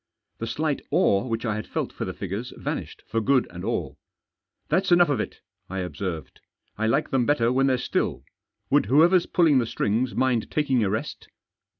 The slight awe which I had felt for the figures vanished for good and all. " That's enough of it," I observed " I like them better when they're still. Would whoever's pulling the strings mind taking a rest